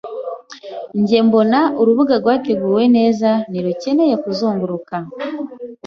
Njye mbona, urubuga rwateguwe neza ntirukeneye kuzunguruka.